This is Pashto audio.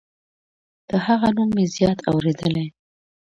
د هغه نوم مې زیات اوریدلی